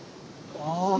ああ。